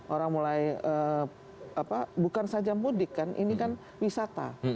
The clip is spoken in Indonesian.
orang mulai bukan saja mudik kan ini kan wisata